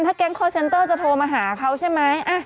แก๊งคอร์เซ็นเตอร์จะโทรมาหาเขาใช่ไหม